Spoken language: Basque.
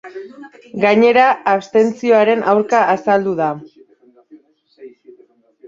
Gainera, abstentzioaren aurka azaldu da.